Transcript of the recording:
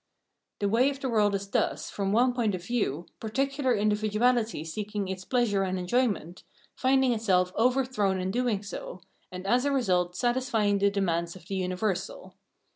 The way of the world is thus, from one point of view, particular individuahty seeking its pleasure and enjoyment, finding itself overthrown in doing so, and as a result satisfying the demands of the universal.